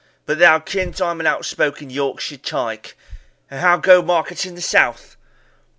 But thou kens I'm an outspoken Yorkshire tyke. And how go markets in the south?"